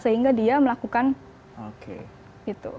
sehingga dia melakukan itu